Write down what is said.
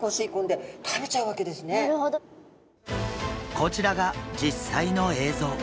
こちらが実際の映像。